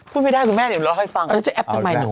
พูดไม่ได้คุณแม่เนี่ยอองรอกให้ฟัง